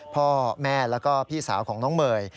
พ่อแม่และผู้หญิงของน้องเมย์